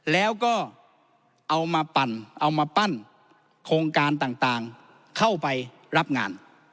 แล้วก็เอามาปั่นเอามาปั้นโครงการต่างเข้าไปรับงาน